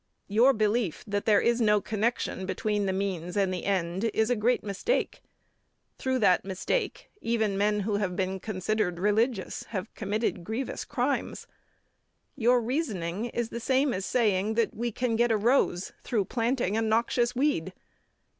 Your belief that there is no connection between the means and the end is a great mistake. Through that mistake even men who have been considered religious have committed grievous crimes. Your reasoning is the same as saying that we can get a rose through planting a noxious weed.